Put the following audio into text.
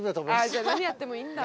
じゃあ何やってもいいんだ。